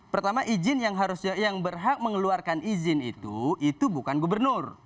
pertama izin yang berhak mengeluarkan izin itu itu bukan gubernur